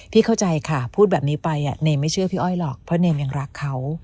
เข้าใจค่ะพูดแบบนี้ไปเนมไม่เชื่อพี่อ้อยหรอกเพราะเนมยังรักเขา